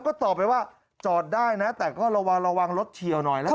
ก็ตอบไปว่าจอดได้นะแต่ก็ระวังระวังรถเฉียวหน่อยละกัน